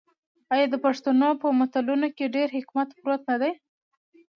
آیا د پښتنو په متلونو کې ډیر حکمت پروت نه دی؟